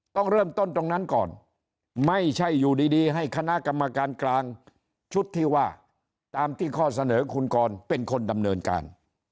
ต้องเริ่มต้นตรงนั้นก่อนไม่ใช่อยู่ดีให้คณะกรรมการกลางชุดที่ว่าตามที่ข้อเสนอคุณกรเป็นคนดำเนินการ